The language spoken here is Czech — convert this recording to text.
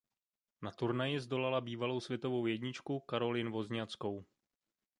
Na turnaji zdolala bývalou světovou jedničku Caroline Wozniackou.